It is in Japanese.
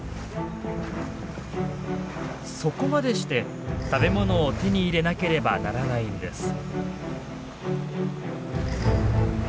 そこまでして食べ物を手に入れなければならないんです。